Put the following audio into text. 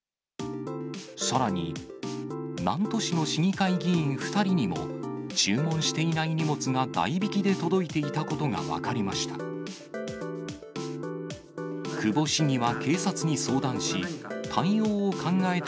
さらに、南砺市の市議会議員２人にも、注文していない荷物が代引きで届いていたことが分かりました。